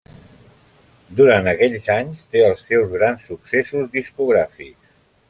Durant aquells anys té els seus grans successos discogràfics.